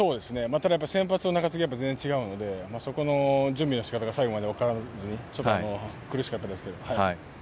ただ、先発と中継ぎは全然違うのでそこの準備の仕方が最後までわからずに苦しかったですが。